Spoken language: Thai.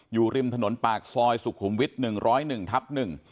อยู่ริมถนนปากซอยสุขุมวิทย์๑๐๑ทับ๑